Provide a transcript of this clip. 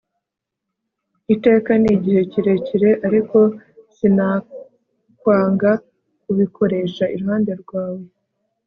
iteka ni igihe kirekire; ariko sinakwanga kubikoresha iruhande rwawe